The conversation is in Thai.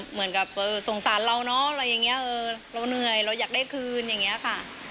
เหมือนกับสงสารเราเนอะเราเหนื่อยเราอยากได้คืนอย่างนี้อ่ะค่ะ